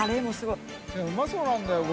任うまそうなんだよ